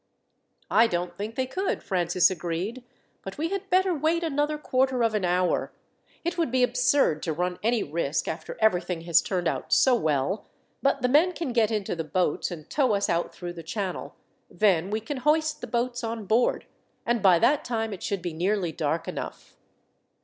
"I don't think they could," Francis agreed; "but we had better wait another quarter of an hour. It would be absurd to run any risk after everything has turned out so well; but the men can get into the boats and tow us out through the channel, then we can hoist the boats on board, and by that time it should be nearly dark enough."